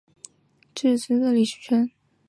开始符氏嫁给河中节度使李守贞之子李崇训。